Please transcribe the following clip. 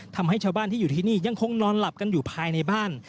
ทำให้ชาวบ้านที่อยู่ที่นี่ยังคงนอนหลับกันอยู่ภายในบ้าน